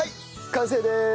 完成です。